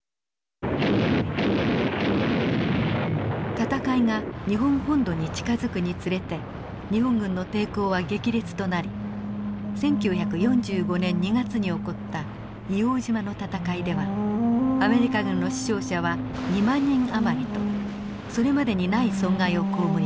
戦いが日本本土に近づくにつれて日本軍の抵抗は激烈となり１９４５年２月に起こった硫黄島の戦いではアメリカ軍の死傷者は２万人余りとそれまでにない損害を被りました。